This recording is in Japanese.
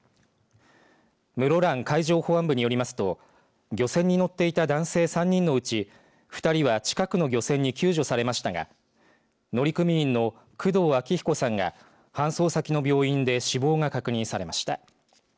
室蘭海上保安部によりますと漁船に乗っていた男性３人のうち２人は近くの漁船に救助されましたが乗組員の工藤昭彦さんが搬送先の病院で死亡が確認されました。